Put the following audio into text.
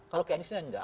kalau ke aniesnya enggak